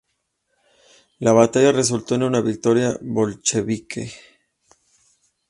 La batalla resultó en una victoria bolchevique.